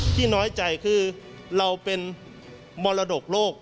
ที่น้อยใจคือเราเป็นมรดกโลก